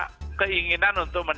dibagi yang berarti dengan tumbuh begini